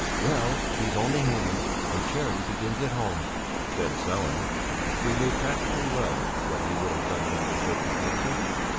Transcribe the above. "Well, he's only human, and charity begins at home," said Sellén, who knew perfectly well what he would have done under the circumstances.